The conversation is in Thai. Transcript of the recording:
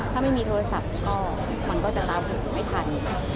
ถ้าไม่มีโทรศัพท์ก็มันก็จะตามหูไม่ทัน